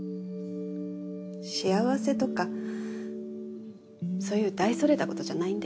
幸せとかそういう大それたことじゃないんだよ。